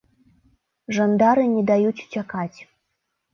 Жандары не даюць уцякаць.